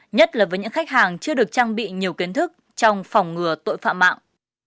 nhất là với những khách hàng chưa được trang bị nhiều kiến thức trong phòng ngừa tội phạm mạng